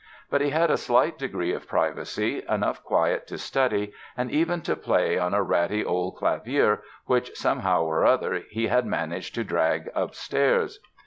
But he had a slight degree of privacy, enough quiet to study and even to play on a ratty old clavier which, somehow or other, he had managed to drag upstairs.